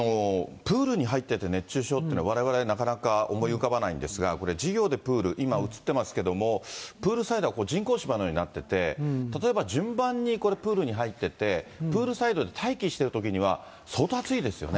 プールに入ってて熱中症って、われわれ、なかなか思い浮かばないんですが、これ、授業でプール、今映っていますけれども、プールサイドは人工芝のようになってて、例えば順番にプールに入ってて、プールサイドで待機しているときには相当暑いですよね。